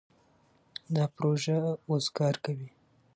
دا پروژه اوس کار کوي.